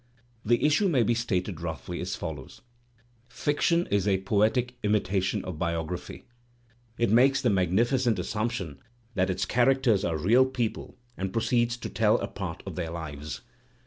The issue may be stated roughly as follows: Fiction is a poetic imitation of biography. It makes the magnificent assumption that its characters are real people and proceeds to tell a part of their lives.